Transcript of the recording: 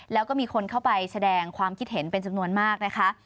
แล้วก็มีคนเข้าไปแสดงความคิดเห็นเป็นจำนวนมากนะคะ